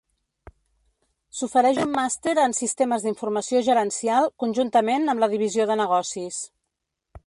S'ofereix un màster en Sistemes d'Informació Gerencial conjuntament amb la Divisió de Negocis.